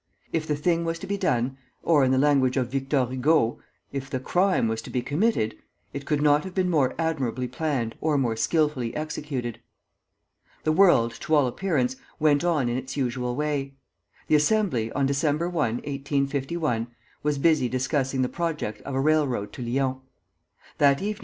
If the thing was to be done, or, in the language of Victor Hugo, if the crime was to be committed, it could not have been more admirably planned or more skilfully executed. The world, to all appearance, went on in its usual way. The Assembly, on December 1, 1851, was busy discussing the project of a railroad to Lyons. That evening M.